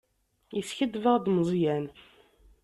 Yeskaddeb-aɣ-d Meẓyan.